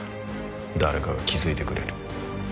誰かが気づいてくれる。